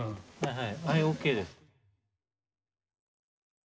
はい！